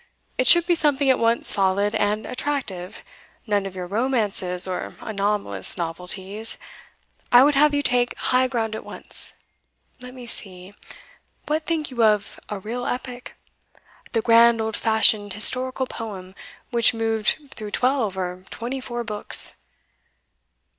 It should be something at once solid and attractive none of your romances or anomalous novelties I would have you take high ground at once. Let me see: What think you of a real epic? the grand old fashioned historical poem which moved through twelve or twenty four books.